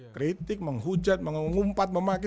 kritik menghujat mengumpat memakai